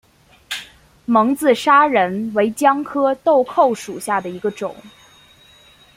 蒙自砂仁为姜科豆蔻属下的一个种。